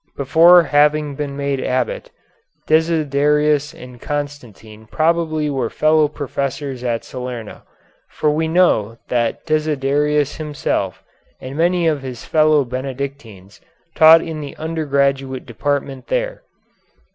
Before having been made abbot, Desiderius and Constantine probably were fellow professors at Salerno, for we know that Desiderius himself and many of his fellow Benedictines taught in the undergraduate department there.